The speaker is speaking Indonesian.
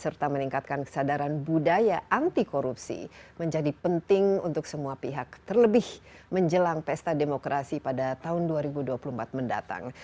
serta meningkatkan kesadaran budaya anti korupsi menjadi penting untuk semua pihak terlebih menjelang pesta demokrasi pada tahun dua ribu dua puluh empat mendatang